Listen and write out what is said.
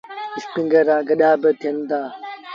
اسپيٚنگر رآ ڪڏآ با ٿئيٚݩ دآ۔